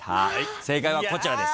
正解はこちらです。